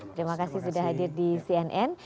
terima kasih sudah hadir di cnn